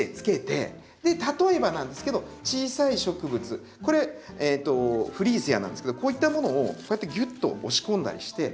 で例えばなんですけど小さい植物これフリーセアなんですけどこういったものをこうやってギュッと押し込んだりして。